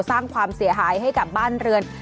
สร้างความเสียหายให้กับบ้านเรือน